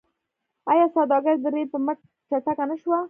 آیا سوداګري د ریل په مټ چټکه نشوه؟